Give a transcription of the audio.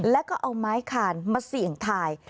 แล้วก็เอาไม้คานมาเสี่ยงทาย